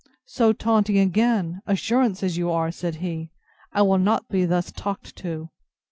So, taunting again! Assurance as you are! said he: I will not be thus talked to!